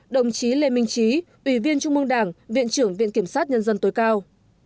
hai mươi sáu đồng chí lê minh trí ủy viên trung mương đảng viện trưởng viện kiểm sát nhân dân tối cao